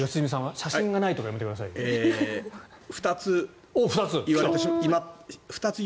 写真がないとかやめてくださいよ。